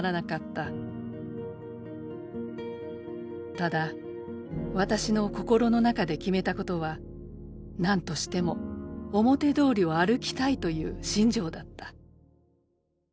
「ただ私の心の中で決めたことは“なんとしても表通りを歩きたい”という信条だった」